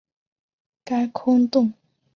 该空洞在天空中的位置与牧夫座空洞相接近。